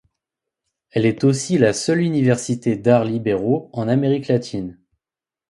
Elle est aussi la seule université d'arts libéraux en Amérique latine.